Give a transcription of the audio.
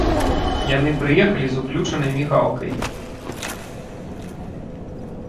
Яны прыехалі з уключанай мігалкай.